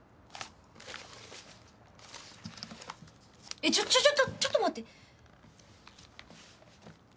えっちょちょっとちょっと待って。